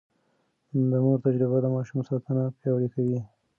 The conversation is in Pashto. د مور تجربه د ماشوم ساتنه پياوړې کوي.